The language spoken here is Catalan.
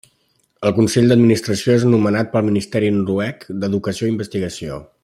El consell d'administració és nomenat pel Ministeri Noruec d'Educació i Investigació.